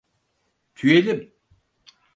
Tüyelim!